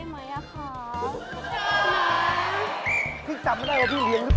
จำพี่จำไม่ได้ว่าพี่เลี้ยงหรือเปล่า